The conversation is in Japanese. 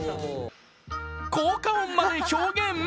効果音まで表現。